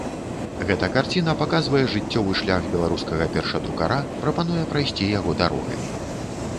Гэта карціна паказвае жыццёвы шлях беларускага першадрукара, прапануе прайсці яго дарогамі.